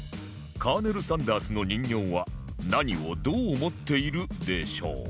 カーネル・サンダースの人形は何をどう持っているでしょう？